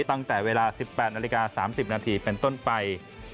ตั้งแต่เวลา๑๘นาฬิกา๓๐นาทีเป็นต้นไป